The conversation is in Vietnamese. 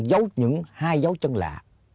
giấu những hai dấu chân lạ